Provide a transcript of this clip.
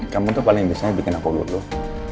kamu tuh paling biasanya bikin aku luruh